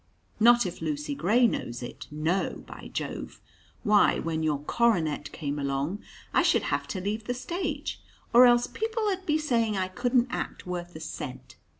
Not if Lucy Gray knows it; no, by Jove! Why, when your coronet came along, I should have to leave the stage, or else people 'ud be saying I couldn't act worth a cent.